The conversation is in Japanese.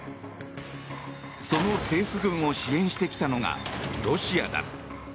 その政府軍を支援してきたのがロシアだ。